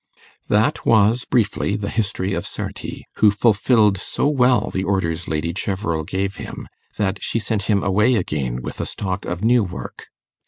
That was briefly the history of Sarti, who fulfilled so well the orders Lady Cheverel gave him, that she sent him away again with a stock of new work.